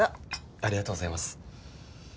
ありがとうございます。